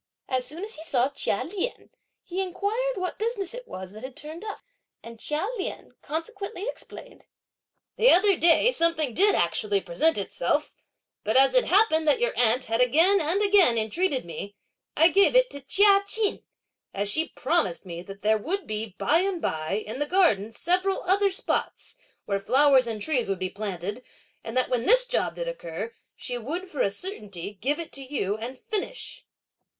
As soon as he saw Chia Lien, he inquired what business it was that had turned up, and Chia Lien consequently explained: "The other day something did actually present itself, but as it happened that your aunt had again and again entreated me, I gave it to Chia Ch'in; as she promised me that there would be by and by in the garden several other spots where flowers and trees would be planted; and that when this job did occur, she would, for a certainty, give it to you and finish!"